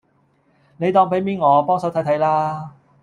你當俾面我，幫手睇睇啦